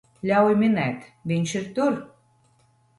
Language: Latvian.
Ļauj minēt, viņš ir tur?